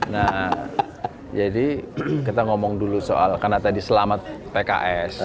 nah jadi kita ngomong dulu soal karena tadi selamat pks